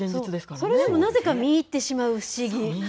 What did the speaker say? それでもなぜか見入ってしまう不思議。